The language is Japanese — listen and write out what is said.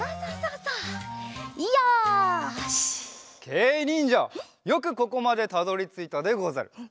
けいにんじゃよくここまでたどりついたでござる。